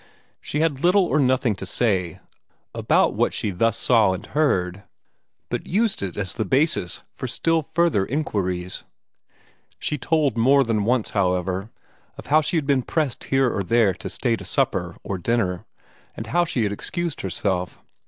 She had little or nothing to say about what she thus saw and heard, but used it as the basis for still further inquiries. She told more than once, however, of how she had been pressed here or there to stay to dinner or supper, and how she had excused herself.